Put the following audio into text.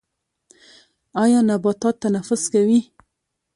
ایا نباتات تنفس کوي؟